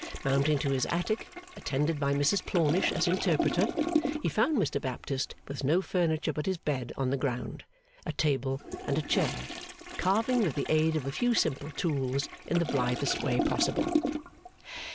Mounting to his attic, attended by Mrs Plornish as interpreter, he found Mr Baptist with no furniture but his bed on the ground, a table, and a chair, carving with the aid of a few simple tools, in the blithest way possible.